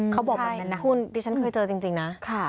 เขาบอกเหมือนนั้นนะคุณที่ฉันเคยเจอจริงนะค่ะ